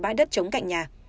vào bãi đất chống cạnh nhà